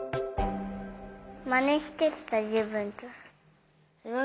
まねしてたじぶんと。